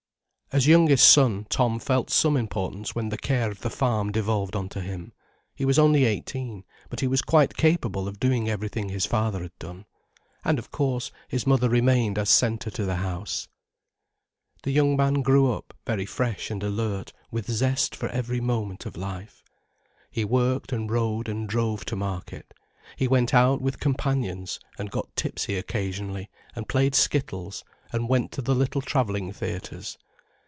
As youngest son, Tom felt some importance when the care of the farm devolved on to him. He was only eighteen, but he was quite capable of doing everything his father had done. And of course, his mother remained as centre to the house. The young man grew up very fresh and alert, with zest for every moment of life. He worked and rode and drove to market, he went out with companions and got tipsy occasionally and played skittles and went to the little travelling theatres.